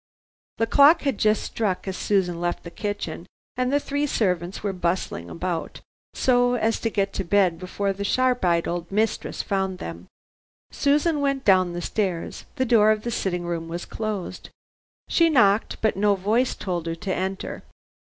The clock had just struck as Susan left the kitchen, and the three servants were bustling about so as to get to bed before their sharp eyed old mistress found them. Susan went down the stairs. The door of the sitting room was closed. She knocked but no voice told her to enter.